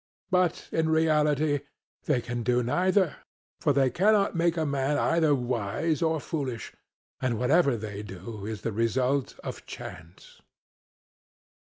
But in reality they can do neither; for they cannot make a man either wise or foolish; and whatever they do is the result of chance.